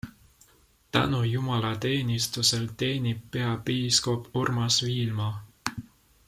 Tänujumalateenistusel teenib peapiiskop Urmas Viilma.